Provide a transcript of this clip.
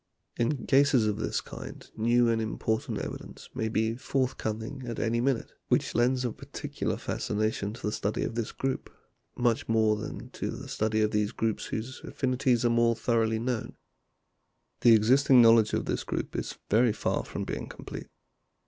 In cases of this kind new and important evidence may be forthcoming at any minute, which lends a particular fascination to the study of this group, much more than to the study of those groups whose affinities are more thoroughly known. The existing knowledge of this group is very far from being complete.